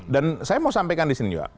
dan saya mau sampaikan di sini juga